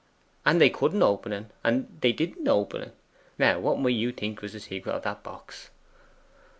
And they couldn't open en, and they didn't open en. Now what might you think was the secret of that box?